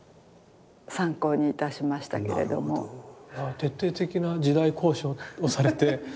徹底的な時代考証をされて。